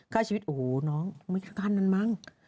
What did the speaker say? ฆ่าชีวิตโอ้โหน้องไม่ใช่การนั้นมั้ง